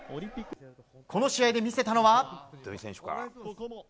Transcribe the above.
この試合で見せたのは。